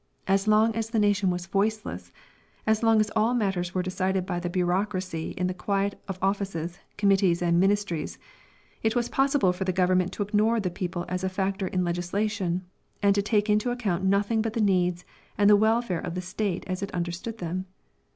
As long as the nation was voiceless, as long as all matters were decided by the bureaucracy in the quiet of offices, committees, and ministries, it was possible for the Government to ignore the people as a factor in legislation, and to take into account nothing but the needs and the welfare of the state as it understood them.